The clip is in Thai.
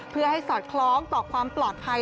เพื่อให้สอดคล้องต่อความปลอดภัย